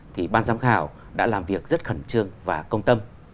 thì ban giám khảo đã làm việc rất khẩn trương và công tâm